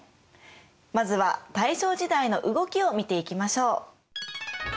まずは大正時代の動きを見ていきましょう。